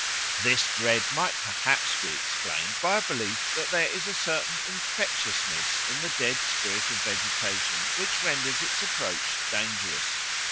This dread might perhaps be explained by a belief that there is a certain infectiousness in the dead spirit of vegetation which renders its approach dangerous.